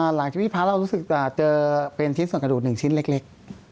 หลังที่พระเจอเป็นส่วนกระดูก๑ชิ้นเล็ก